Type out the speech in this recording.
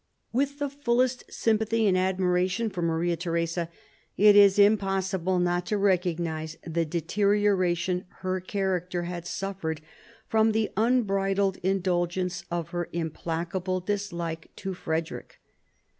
With the fullest sympathy and admiration for Maria Theresa, it is impossible not to recognise the deterioration her character had suffered from the un bridled indulgence of her implacable dislike to Frederick.